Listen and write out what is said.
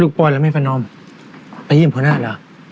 ลูกพลอยแล้วไม่พนมไปยินโครงหน้าหรอ